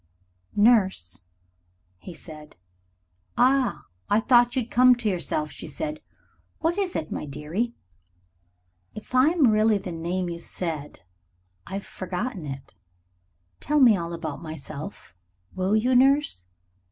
"Nurse," said he. "Ah! I thought you'd come to yourself," she said. "What is it, my dearie?" "If I am really the name you said, I've forgotten it. Tell me all about myself, will you, Nurse?"